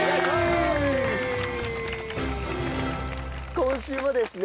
今週もですね